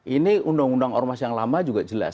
ini undang undang ormas yang lama juga jelas